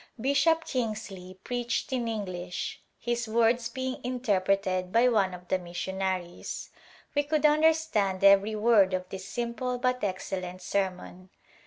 Bishop Kingsley preached in English, his words being interpre ted by one of the missionaries. We could understand every word of this simple but excellent sermon.